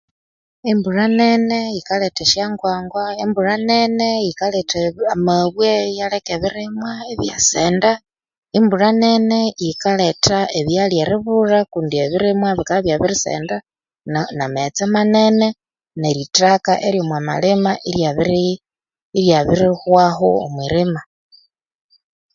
Embulha nene yikaletha esyongwa ngwa wmbulha nene yikaletha amabwe iyaleka ebirimwa ibyasenda ebulha nene yikaletha ebyalya eribulha kundi sbirimwa bikabya ibyabirisenda na maghetse manene nerithaka eryomumalima ryabirihwaho omwirima